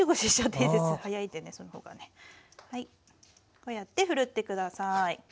こうやってふるって下さい。